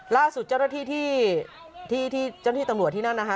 ล่าสุดเจ้าหน้าที่ที่เจ้าหน้าที่ตำรวจที่นั่นนะคะ